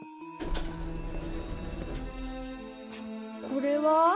これは？